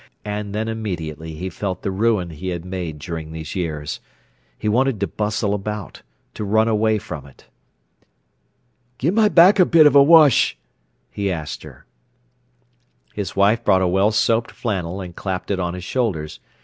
And then immediately he felt the ruin he had made during these years. He wanted to bustle about, to run away from it. "Gi'e my back a bit of a wesh," he asked her. His wife brought a well soaped flannel and clapped it on his shoulders.